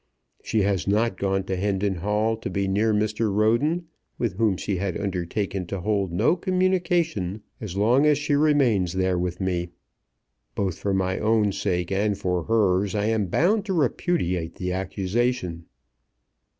She has not gone to Hendon Hall to be near Mr. Roden, with whom she had undertaken to hold no communication as long as she remains there with me. Both for my own sake and for hers I am bound to repudiate the accusation."